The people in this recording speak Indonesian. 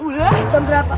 udah jam berapa